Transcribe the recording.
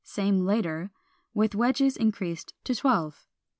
Same later, with wedges increased to twelve.